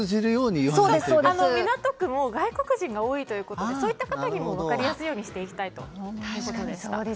港区も外国人が多いということでそういう人たちにも分かりやすいようにしていきたいということでした。